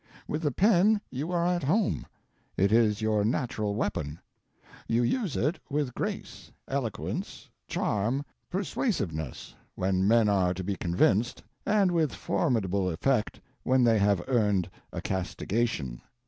With the pen you are at home; it is your natural weapon; you use it with grace, eloquence, charm, persuasiveness, when men are to be convinced, and with formidable effect when they have earned a castigation.